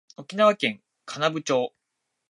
沖縄県金武町